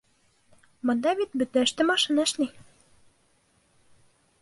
— Бында бит бөтә эште машина эшләй.